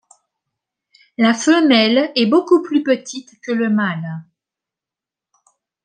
La femelle est beaucoup plus petite que le mâle.